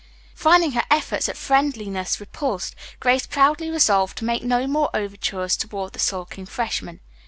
Finding her efforts at friendliness repulsed, Grace proudly resolved to make no more overtures toward the sulking freshman.